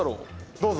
どうぞ。